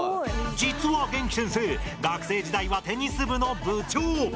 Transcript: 実は元気先生学生時代はテニス部の部長。